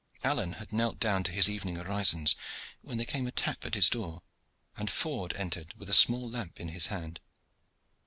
Alleyne had knelt down to his evening orisons, when there came a tap at his door, and Ford entered with a small lamp in his hand.